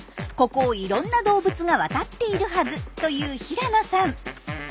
ここをいろんな動物が渡っているはずという平野さん。